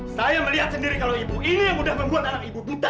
saya melihat sendiri kalau ibu ini yang udah membuat anak ibu buta